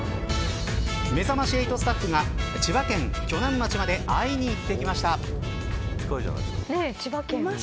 めざまし８スタッフが千葉県鋸南町までいました。